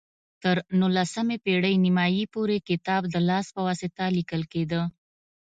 تر نولسمې پېړۍ نیمايي پورې کتاب د لاس په واسطه لیکل کېده.